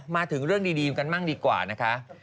มาถึงเรื่องดีกันบ้างดีกว่านะคะ